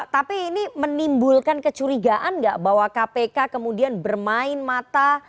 tapi ini menimbulkan kecurigaan nggak bahwa kpk kemudian bermain mata